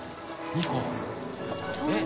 ２個えっ？